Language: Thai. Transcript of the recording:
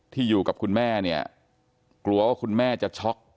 อยู่กับคุณแม่เนี่ยกลัวว่าคุณแม่จะช็อก